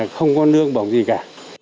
không có nước bỏ gì cả